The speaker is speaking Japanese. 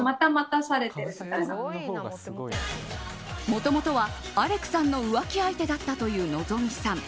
もともとはアレクさんの浮気相手だったという希さん。